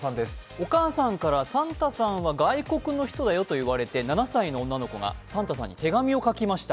お母さんから、サンタさんは外国の人だよと言われて７歳の女の子がサンタさんに手紙を書きました。